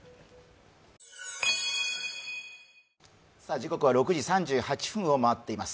時刻は６時３８分を回っています。